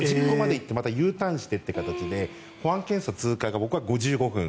端っこまで行ってまたＵターンしてという形で保安検査通過が５５分。